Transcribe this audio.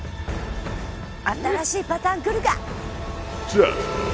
新しいパターンくるか？